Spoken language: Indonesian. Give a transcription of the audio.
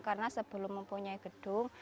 karena sebelum mempunyai gedung